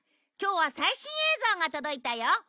今日は最新映像が届いたよ。